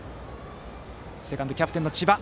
セカンドキャプテンの千葉。